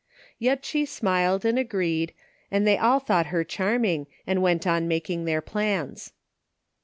Yet she smiled and agreed, and they all thought her charming, and went on making their plans.